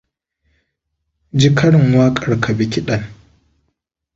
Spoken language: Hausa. Ji karin waƙar ka bi kiɗan.